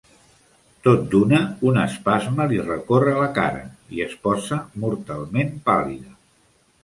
Tot d'una, un espasme li recorre la cara i es posa mortalment pàl·lida.